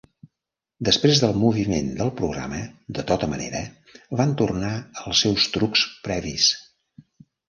Després del moviment del programa, de tota manera, van tornar als seus trucs previs.